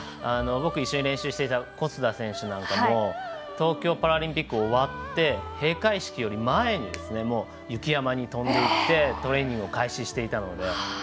僕、一緒に練習していた小須田選手なんかも東京パラリンピック終わって閉会式より前に雪山に飛んでいってトレーニングを開始していたので。